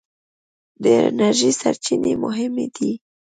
د انرژۍ سرچینې مهمې دي.